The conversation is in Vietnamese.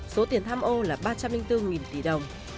số tiền tham ô là ba trăm linh bốn tỷ đồng